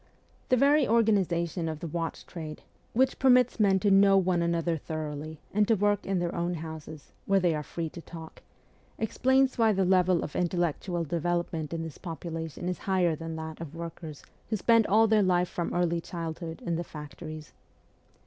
The very organization of the watch trade, which permits men to know one another thoroughly and to work in their own houses, where they are free to talk, explains why the level of intellectual development in this population is higher than that of workers who spend all their life from early childhood in the facto ries.